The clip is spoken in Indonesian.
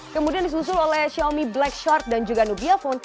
kemudian disusul oleh xiaomi black shart dan juga nubia phone